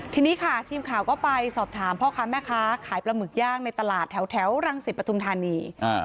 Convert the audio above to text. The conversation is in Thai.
ทีนี้ค่ะทีมข่าวก็ไปสอบถามพ่อค้าแม่ค้าขายปลาหมึกย่างในตลาดแถวรังสิตปฐุมธานี